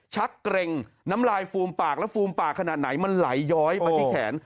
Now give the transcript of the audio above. เกร็งน้ำลายฟูมปากและฟูมปากขนาดไหนมันไหลย้อยไปที่แขน